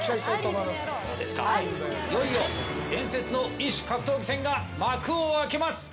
いよいよ伝説の異種格闘技戦が幕を開けます。